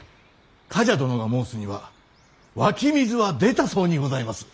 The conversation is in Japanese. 冠者殿が申すには湧き水は出たそうにございます。